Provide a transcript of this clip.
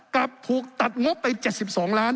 กลับถูกตัดงบไป๗๒ล้าน